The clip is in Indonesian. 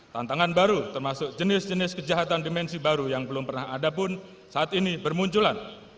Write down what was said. tantangan baru termasuk jenis jenis kejahatan dimensi baru yang belum pernah ada pun saat ini bermunculan